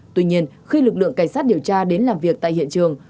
tuy nhiên khi lực lượng cảnh sát điều tra đến làm việc tại hiện trường